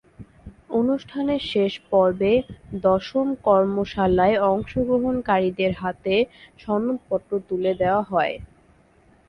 অনুষ্ঠানের শেষ পর্বে দশম কর্মশালায় অংশগ্রহণকারীদের হাতে সনদপত্র তুলে দেওয়া হয়।